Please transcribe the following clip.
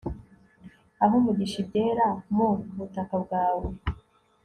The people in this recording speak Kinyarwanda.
ahe umugisha ibyera mu butaka bwawe